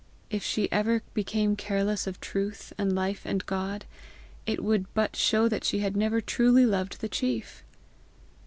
If she ever became careless of truth and life and God, it would but show that she had never truly loved the chief!